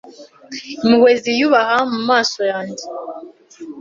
impuhwe ziyubaha mumaso yanjye